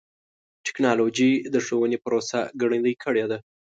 ټکنالوجي د ښوونې پروسه ګړندۍ کړې ده.